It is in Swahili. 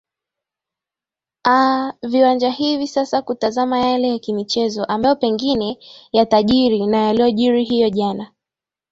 aa viwanja hivi sasa kutazama yale yakimichezo ambayo pengine yatajiri na yaliyojiri hiyo jana